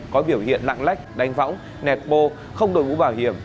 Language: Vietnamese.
có biểu hiện lạng lách đánh võng nẹt bô không đổi mũ bảo hiểm